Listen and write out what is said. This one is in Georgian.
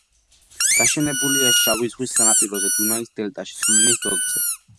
გაშენებულია შავი ზღვის სანაპიროზე, დუნაის დელტაში, სულინის ტოტზე.